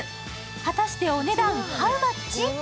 果たしてお値段ハウマッチ？